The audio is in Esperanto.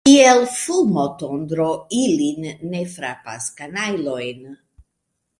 Kiel fulmotondro ilin ne frapas, kanajlojn!